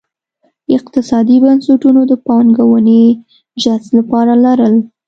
اقتصادي بنسټونو د پانګونې جذب لپاره لرل.